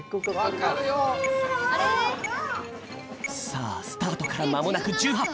さあスタートからまもなく１８ぷん！